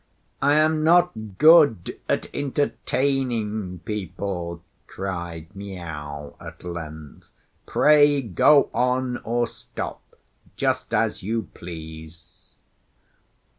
"I am not good at entertaining people," cried Miao, at length; "pray go on or stop just as you please."